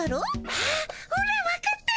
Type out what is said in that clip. あっオラわかったっピィ。